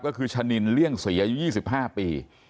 ก็คือชะนินเลี่ยงเสียอยู่๒๕ปี